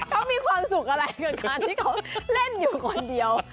เขามีความสุขอะไรกับการที่เขาเล่นอยู่คนเดียว